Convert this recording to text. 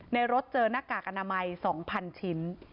ในรถเจอหน้ากากอนามัย๒๐๐ชิ้น